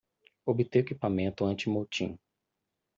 Obter o equipamento anti-motim!